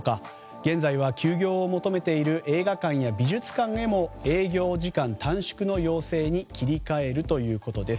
現在は休業を求めている映画館や美術館へも営業時間短縮の要請に切り換えるということです。